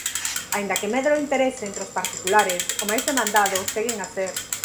Aínda que medra o interese entre os particulares, o máis demandado seguen a ser...